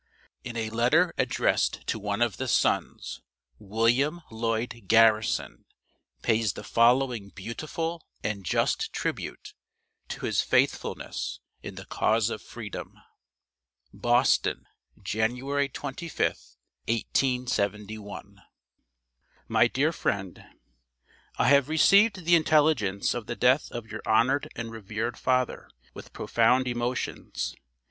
W. In a letter addressed to one of the sons, William Lloyd Garrison pays the following beautiful and just tribute to his faithfulness in the cause of freedom. BOSTON, January 25th, 1871. MY DEAR FRIEND: I have received the intelligence of the death of your honored and revered father, with profound emotions.